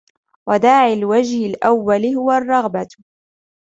وَدَاعِي الْوَجْهِ الْأَوَّلِ هُوَ الرَّغْبَةُ